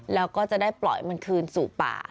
แล้วก็จะได้ปล่อยมันคืนสู่ป่า